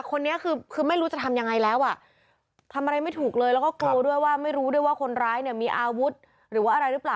คนนี้คือคือไม่รู้จะทำยังไงแล้วอ่ะทำอะไรไม่ถูกเลยแล้วก็กลัวด้วยว่าไม่รู้ด้วยว่าคนร้ายเนี่ยมีอาวุธหรือว่าอะไรหรือเปล่า